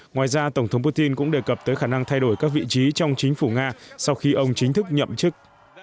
ngoài ra tổng thống putin cũng đề cập tới khả năng thay đổi các vị trí trong chính phủ nga sau khi ông chính thức nhậm chức